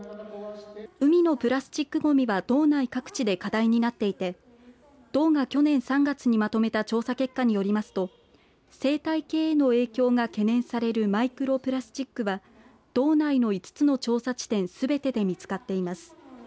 海のプラスチックごみは道内各地で課題になっていて道が去年３月にまとめた調査結果によりますと生態系への影響が懸念されるマイクロプラスチックは道内の５つの調査地点すべてで見つかっています。